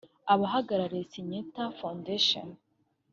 Abahagarariye Syngenta foundation